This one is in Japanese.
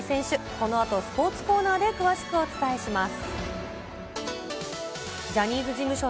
このあとスポーツコーナーで詳しくお伝えします。